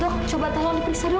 dok coba tolong periksa dulu